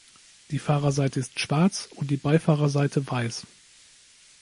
Die Fahrerseite ist schwarz und die Beifahrerseite weiß.